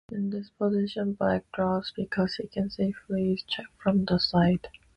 In this position, Black draws because he can safely check from the side.